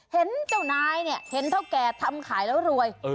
เห็นเจ้านายเนี่ยเห็นเท่าแก่ทำขายแล้วรวย